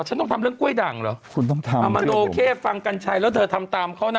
คุณต้องทำเอามาโนเคฟังกันชัยแล้วเธอทำตามเขานะ